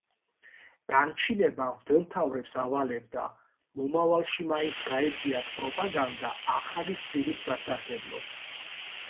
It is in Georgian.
განჩინება მღვდელმთავრებს ავალებდა, მომავალში მაინც გაეწიათ პროპაგანდა ახალი სტილის სასარგებლოდ.